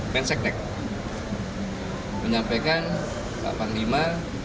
pak patik menyebarkan pak panglima